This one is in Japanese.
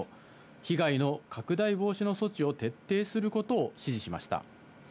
被害の拡大防止の措置を徹底することを指示しました。